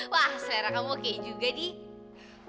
wah selera kamu kayak juga nih